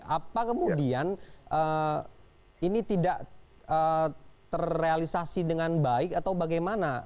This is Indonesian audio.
apa kemudian ini tidak terrealisasi dengan baik atau bagaimana